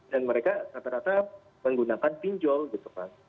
dan mereka rata rata menggunakan pinjol gitu kan